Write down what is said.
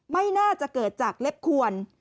ไม่น่าจะเกิดจากเล็บขวน